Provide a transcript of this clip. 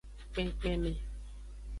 Kpenkpenme.